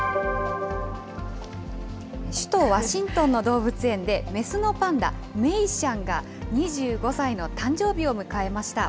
首都ワシントンの動物園で、雌のパンダ、メイシャンが２５歳の誕生日を迎えました。